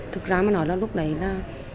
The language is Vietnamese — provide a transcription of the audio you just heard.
thực ra mà nói là lúc đấy là